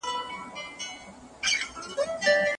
د اسلام دښمنان په مسلمانانو کی بې حيايي نشرول غواړي.